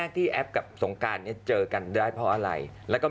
คบหากันไปจนถึงวันแต่งงานก็ไปถึงวันเลิกลากัน